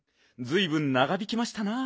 ずいぶんながびきましたな。